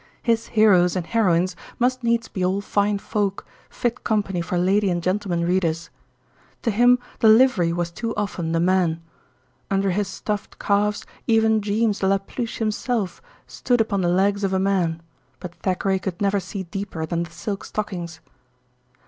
His heroes and heroines must needs be all fine folk, fit company for lady and gentlemen readers. To him the livery was too often the man. Under his stuffed calves even Jeames de la Pluche himself stood upon the legs of a man, but Thackeray could never see deeper than the silk stockings.